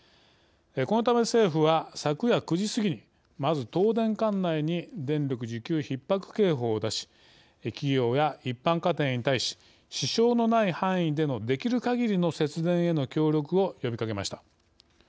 このため政府は昨夜９時過ぎにまず東電管内に電力需給ひっ迫警報を出し企業や一般家庭に対し支障のない範囲でのできるかぎりの節電への協力を呼びかけました。